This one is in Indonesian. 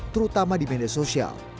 terutama di media sosial